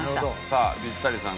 さあピッタリさん